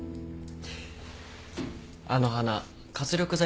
あの花活力剤